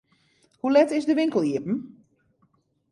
Hoe let is de winkel iepen?